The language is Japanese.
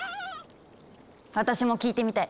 私も聴いてみたい。